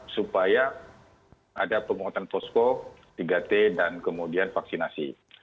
supaya ada penguatan posko tiga t dan kemudian vaksinasi